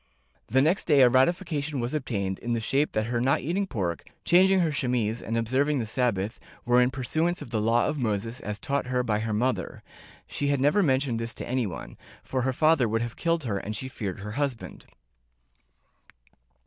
The next day a ratification was obtained in the shape that her not eating pork, changing her chemise and observ ing the Sabbath, were in pursuance of the Law of Moses as taught her by her mother ; she had never mentioned this to anyone, for her father would have killed her and she feared her husband.